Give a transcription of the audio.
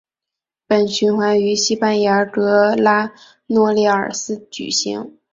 本循环于西班牙格拉诺列尔斯举行。